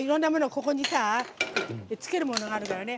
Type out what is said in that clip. ここに、つけるものがあるからね。